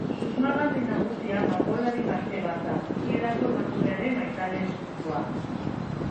Susmagarri nagusia margolari gazte bat da, hildako emakumearen maitale ezkutua.